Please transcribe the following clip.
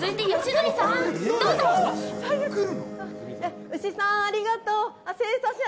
生産者さんありがとう。